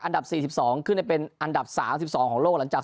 อันดับสี่สิบสองขึ้นได้เป็นอันดับสามสิบสองของโลกหลังจาก